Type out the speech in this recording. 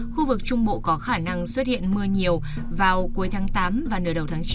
khu vực trung bộ có khả năng xuất hiện mưa nhiều vào cuối tháng tám và nửa đầu tháng chín